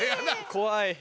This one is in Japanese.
怖い。